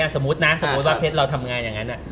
สมมติว่าเพชรเราทำงานอย่างนั้น